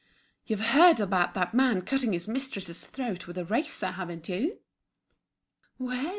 "You've heard about that man cutting his mistress's throat with a razor, haven't you?" "Well!"